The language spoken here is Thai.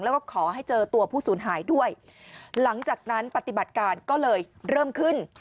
แล้วก็ขอให้เจอตัวผู้สูญหายด้วยหลังจากนั้นปฏิบัติการก็เลยเริ่มขึ้น